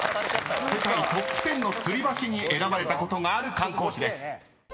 ［世界トップ１０の吊り橋に選ばれたことがある観光地です］